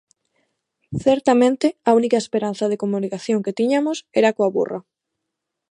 Certamente, a única esperanza de comunicación que tiñamos era coa burra.